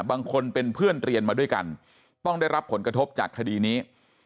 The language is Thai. บางคนเป็นเพื่อนเรียนมาด้วยกันต้องได้รับผลกระทบจากคดีนี้